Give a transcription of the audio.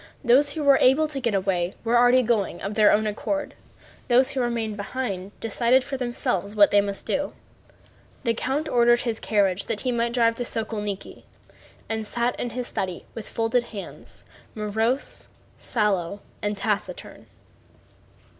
Those who were able to get away were going of their own accord, those who remained behind decided for themselves what they must do. The count ordered his carriage that he might drive to Sokólniki, and sat in his study with folded hands, morose, sallow, and taciturn.